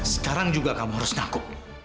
sekarang juga kamu harus takut